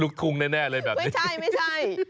ลุกทุงแน่เลยแบบนี้ไม่ใช่